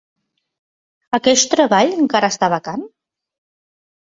Aqueix treball encara està vacant?